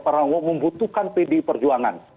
parangwo membutuhkan pd perjuangan